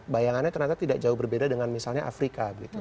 bayangannya ternyata tidak jauh berbeda dengan misalnya afrika